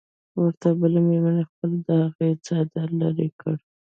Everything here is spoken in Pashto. ورته بلې مېرمنې خپله او د هغې څادري لرې کړه.